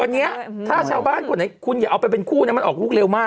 วันนี้ถ้าชาวบ้านคนไหนคุณอย่าเอาไปเป็นคู่นะมันออกลูกเร็วมาก